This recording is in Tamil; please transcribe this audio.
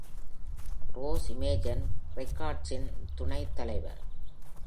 ரோஸ் இமேஜன் ரெக்கார்ட்சின் துணை தலைவர்.